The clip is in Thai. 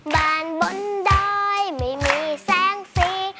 บ้านบนดอยไม่มีแสงสี